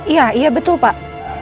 iya iya betul pak